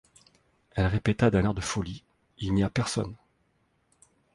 Elle répéta d’un air de folie: — Il n’y a personne.